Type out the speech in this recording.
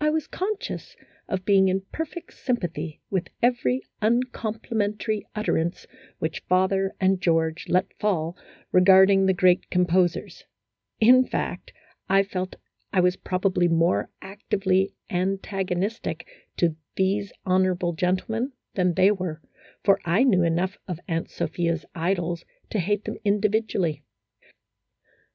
I was conscious of being in perfect sympathy with every uncomplimentary utterance which father and George let fall regarding the great composers; in fact, I felt I was probably more actively antagonistic to these honorable gentlemen than they were, for I knew enough of Aunt Sophia's idols to hate them individually.